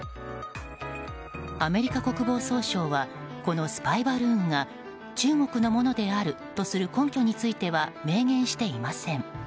アメリカ国防総省はこのスパイバルーンが中国のものであるとする根拠については明言していません。